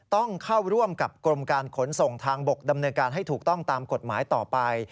ต้องเข้าร่วมกับกรมการขนส่งทางบกดำเนินการให้ถูกต้องตามกฎหมายต่อไป